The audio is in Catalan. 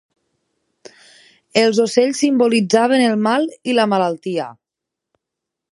Els ocells simbolitzaven el mal i la malaltia.